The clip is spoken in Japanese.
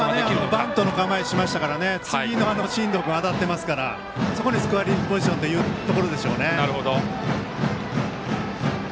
今、バントの構え見せましたけど次の進藤君、当たってますからそこにスコアリングポジションというところでしょうね。